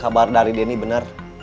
kabar dari denny bener